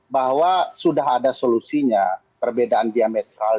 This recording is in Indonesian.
bahwa sudah ada solusinya perbedaan diametral